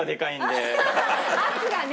圧がね。